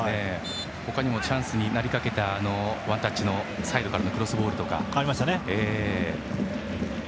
他にもチャンスになりかけたワンタッチでのサイドからのクロスボールとか。